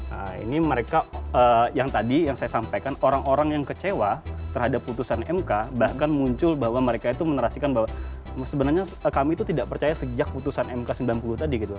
nah ini mereka yang tadi yang saya sampaikan orang orang yang kecewa terhadap putusan mk bahkan muncul bahwa mereka itu menerasikan bahwa sebenarnya kami itu tidak percaya sejak putusan mk sembilan puluh tadi gitu